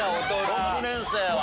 ６年生は。